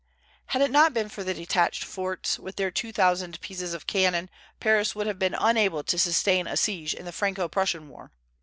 Had it not been for the detached forts, with their two thousand pieces of cannon, Paris would have been unable to sustain a siege in the Franco Prussian war.